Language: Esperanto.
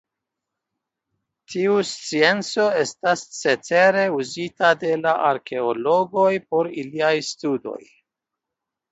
Tiu scienco estas cetere uzita de la arkeologoj por iliaj studoj.